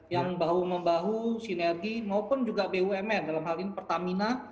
yang bahu membahu sinergi maupun juga bumn dalam hal ini pertamina